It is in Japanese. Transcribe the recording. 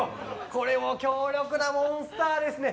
これも強力なモンスターですね。